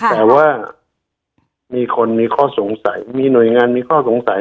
แต่ว่ามีคนมีข้อสงสัยมีหน่วยงานมีข้อสงสัย